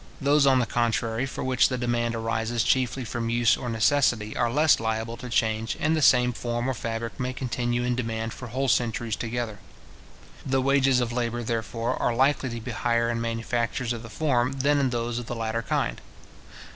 Those, on the contrary, for which the demand arises chiefly from use or necessity, are less liable to change, and the same form or fabric may continue in demand for whole centuries together. The wages of labour, therefore, are likely to be higher in manufactures of the former, than in those of the latter kind.